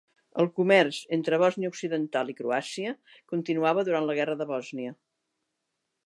El comerç entre Bòsnia Occidental i Croàcia continuava durant la guerra de Bòsnia.